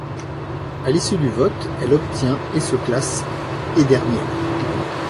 À l'issue du vote, elle obtient et se classe et dernière.